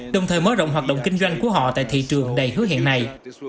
đồng thời mở rộng hoạt động kinh doanh của họ tại thị trường đầy hứa hiện nay